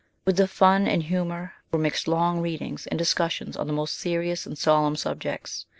With the fun and humour SHELLEY. 43 were mixed long readings and discussions on the most serious and solemn subjects.